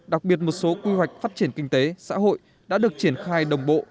đặc biệt một số quy hoạch phát triển kinh tế xã hội đã được triển khai đồng bộ